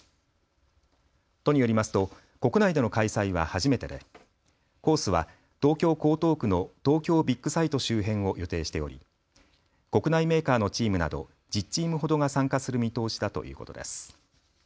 都によりますと国内での開催は初めてでコースは東京江東区の東京ビッグサイト周辺を予定しており国内メーカーのチームなど１０チームほどが参加する見通しだということです。